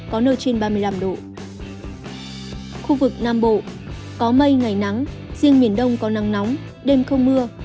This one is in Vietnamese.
khu vực nam bộ có mây ngày nắng riêng miền đông có nắng nóng đêm không mưa